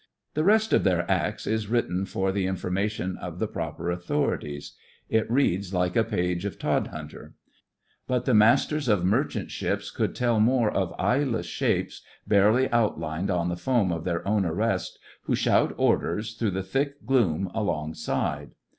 The rest of their acts is written for the information of the proper au thorities. It reads like a page of Todhunter. But the masters of 112 THE FRINGES OF THE FLEET merchant ships could tell more of eyeless shapes, barely outlined on the foam of their own arrest, who shout orders through the thick gloom along side.